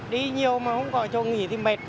đi nhiều mà không có chỗ nghỉ thì mệt